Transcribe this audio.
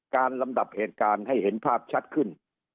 ลำดับเหตุการณ์ให้เห็นภาพชัดขึ้น